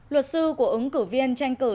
luật sư của ứng cử viên tranh cử